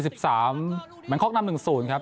บนแบงคกยัย๕๑๐ครับ